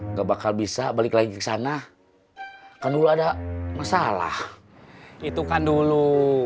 nggak bakal bisa balik lagi ke sana kan dulu ada masalah itu kan dulu